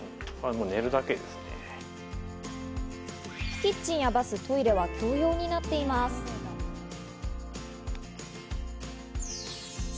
キッチンやバス、トイレは共用になっています。